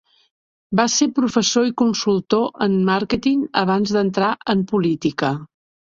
Va ser professor i consultor en màrqueting abans d'entrar en política.